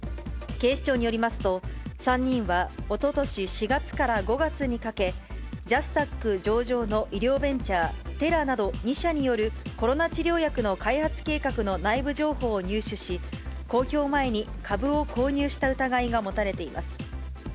警視庁によりますと、３人はおととし４月から５月にかけ、ジャスダック上場の医療ベンチャー、テラなど２社によるコロナ治療薬の開発計画の内部情報を入手し、公表前に株を購入した疑いが持たれています。